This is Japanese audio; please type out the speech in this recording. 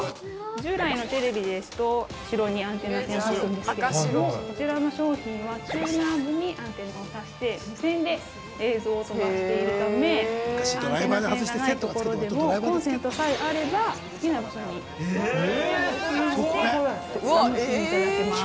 ◆従来のテレビですと、後ろにアンテナ線をさすんでけどこちらの商品は、チューナーにアンテナをさして無線で映像を飛ばしているため、アンテナ線がないところでも、コンセントさえあれば、好きな場所に動かしてお楽しみいただけます。